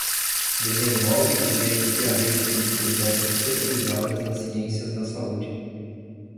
Desenvolve e gerencia a Rede de Bibliotecas Especializadas em Ciências da Saúde.